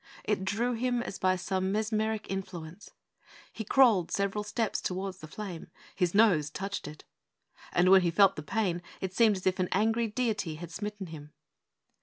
It drew him as by some mesmeric influence. 'He crawled several steps towards the flame. His nose touched it.' And when he felt the pain it seemed as if an angry deity had smitten him.